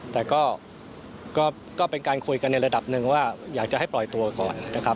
แต่ก็เป็นการคุยกันในระดับหนึ่งว่าอยากจะให้ปล่อยตัวก่อนนะครับ